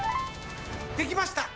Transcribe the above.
できました！